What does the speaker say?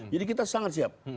jadi kita sangat siap